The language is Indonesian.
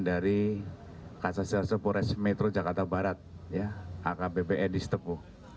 dari kasasirase pores metro jakarta barat akbpe disteko